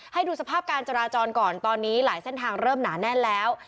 ให้ดูสภาพการจราจรก่อนตอนนี้หลายเส้นทางเริ่มหนาแน่นแล้ว